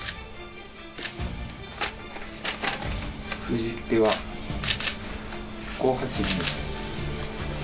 封じ手は５八銀。